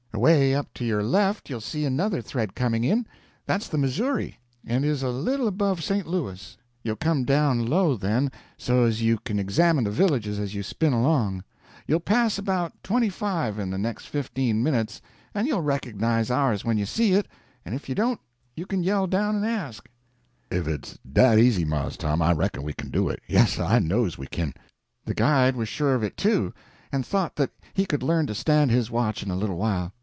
Away up to your left you'll see another thread coming in—that's the Missouri and is a little above St. Louis. You'll come down low then, so as you can examine the villages as you spin along. You'll pass about twenty five in the next fifteen minutes, and you'll recognize ours when you see it—and if you don't, you can yell down and ask." [Illustration: "Map of the trip made by Tom Sawyer Erronott 1850"] "Ef it's dat easy, Mars Tom, I reckon we kin do it—yassir, I knows we kin." The guide was sure of it, too, and thought that he could learn to stand his watch in a little while.